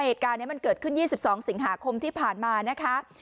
เหตุการณ์นี้มันเกิดขึ้น๒๒สิงหาคมที่ผ่านมานะคะ